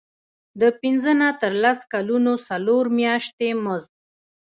د پنځه نه تر لس کلونو څلور میاشتې مزد.